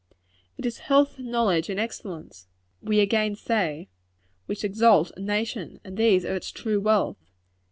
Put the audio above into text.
It is health, knowledge and excellence we again say which exalt a nation; and these are its true wealth.